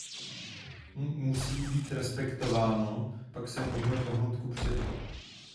Musí být respektováno, pak se můžeme pohnout kupředu.